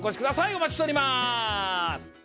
お待ちしております